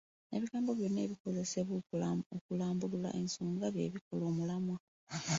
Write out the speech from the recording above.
Ebigambo byonna ebikozesebwa okulambulula ensonga bye bikola omulamwa.